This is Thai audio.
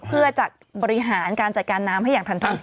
เพื่อจะบริหารการจัดการน้ำให้อย่างทันที